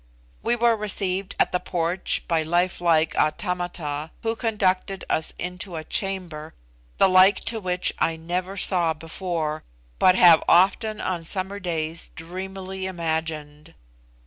We were received at the porch by life like automata, who conducted us into a chamber, the like to which I never saw before, but have often on summer days dreamily imagined.